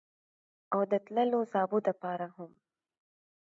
او د تللو زاڼو لپاره هم